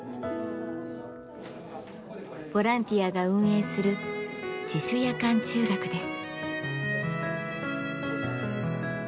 ボランティアが運営する自主夜間中学です。